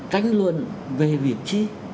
tránh luôn về việc chi